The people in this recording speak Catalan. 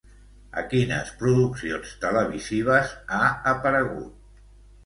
A quines produccions televisives ha aparegut?